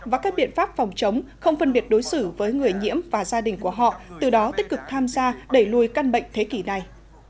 và các biện pháp phòng chống không phân biệt đối xử với người nhiễm và gia đình của họ từ đó tích cực tham gia đẩy lùi căn bệnh thế kỷ này